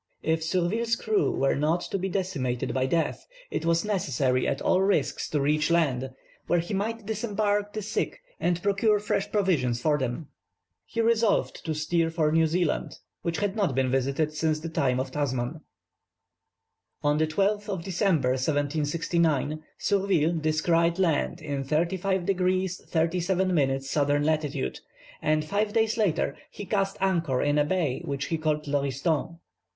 If Surville's crew were not to be decimated by death, it was necessary at all risks to reach land, where he might disembark the sick, and procure fresh provisions for them. He resolved to steer for New Zealand, which had not been visited since the time of Tasman. On the 12th of December, 1769, Surville descried land in 35 degrees 37 minutes S. lat., and five days later he cast anchor in a bay which he called Lauriston.